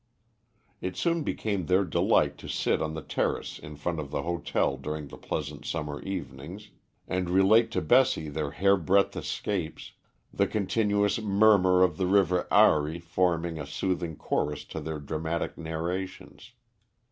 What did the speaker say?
It soon became their delight to sit on the terrace in front of the hotel during the pleasant summer evenings and relate to Bessie their hairbreath escapes, the continuous murmur of the River Aare forming a soothing chorus to their dramatic narrations.